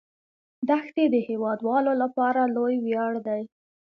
دښتې د هیوادوالو لپاره لوی ویاړ دی.